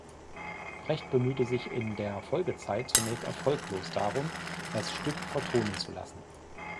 Brecht bemühte sich in der Folgezeit zunächst erfolglos darum, das Stück vertonen zu lassen.